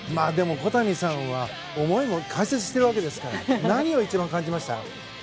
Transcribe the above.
小谷さんは解説していたわけですから何を一番感じました？